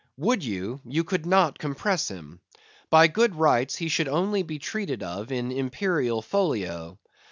Would you, you could not compress him. By good rights he should only be treated of in imperial folio.